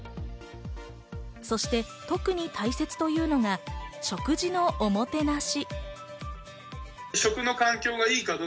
そして特に大切というのが食事のおもてなし。